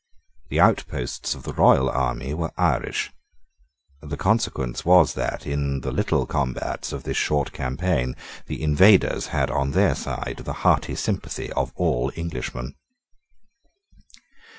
The outposts of the royal army were Irish. The consequence was that, in the little combats of this short campaign, the invaders had on their side the hearty sympathy of all Englishmen.